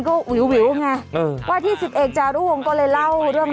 ก็วิววิวไงเออว่าที่สิบเอกจารุวงก็เลยเล่าเรื่อง